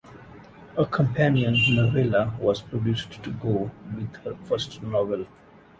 A companion novella was produced to go with her first novel.